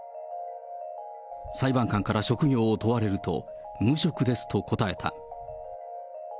裁判官から職業を問われると、無職ですと答えた。